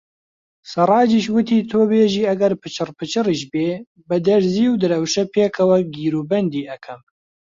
سەڕاجیش وتی: تۆ بێژی ئەگەر پچڕپچڕیش بێ بە دەرزی و درەوشە پێکەوە گیروبەندی ئەکەم.